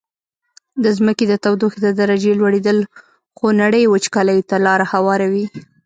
د ځمکي د تودوخي د درجي لوړیدل خونړیو وچکالیو ته لاره هواروي.